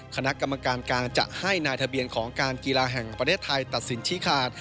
คณะกรรมการการจะให้นายทะเบียนของการกีฬาแห่งประเทศไทยตัดสินชี้ขาด